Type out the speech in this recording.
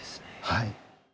はい。